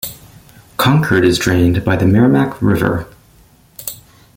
Concord is drained by the Merrimack River.